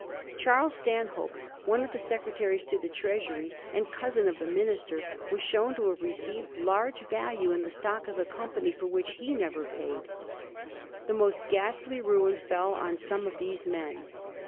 Charles Stanhope, one of the Secretaries to the Treasury, and cousin of the Minister, was shown to have received large value in the stock of the Company for which he never paid. The most ghastly ruin fell on some of these men.